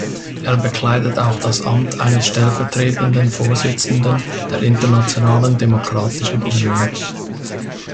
Er bekleidet auch das Amt eines stellvertretenden Vorsitzenden der Internationalen Demokratischen Union.